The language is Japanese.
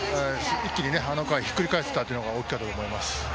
一気にひっくり返せたっていうのが大きかったと思います。